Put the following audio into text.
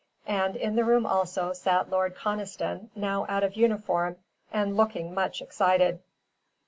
And in the room also sat Lord Conniston, now out of uniform, and looking much excited.